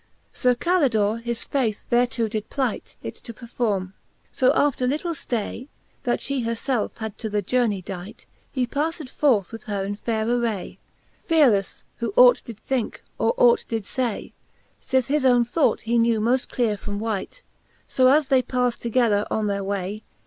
XVI. Sir Calidore his faith thereto did plight, It to performer fb after little ftay. That fhe her felfe had to the journey dight. He pafled forth with her in faire array, Fearelefle, who ought did thinke, or ought did fay, Sith his own thought he knew moft cleare from wite. So as they paft together on their way.